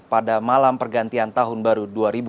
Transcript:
pada malam pergantian tahun baru dua ribu delapan belas